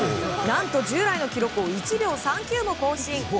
何と従来の記録を１秒３９も更新。